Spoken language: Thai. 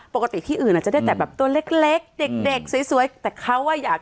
ปกติที่อื่นอาจจะได้แต่แบบตัวเล็กเด็กเด็กสวยแต่เขาอ่ะอยาก